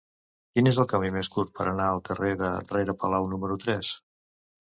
Quin és el camí més curt per anar al carrer de Rere Palau número tres?